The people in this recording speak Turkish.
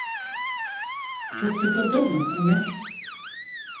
Çok sıkıldın mı, Ömer?